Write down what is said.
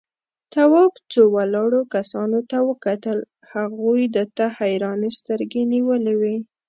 تواب څو ولاړو کسانو ته وکتل، هغوی ده ته حيرانې سترگې نيولې وې.